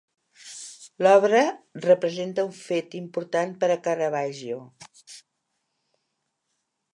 L'obra representa un fet important per a Caravaggio.